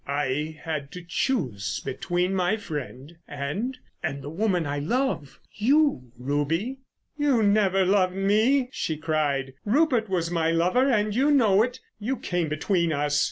"I had to choose between my friend and—and the woman I love. You, Ruby." "You never loved me," she cried. "Rupert was my lover and you know it. You came between us.